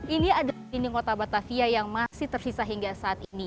ini ada dinding kota batavia yang masih tersisa hingga saat ini